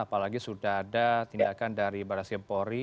apalagi sudah ada tindakan dari baris ke lima belas polri